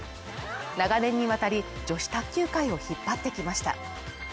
長年にわたり女子卓球界を引っ張ってきました。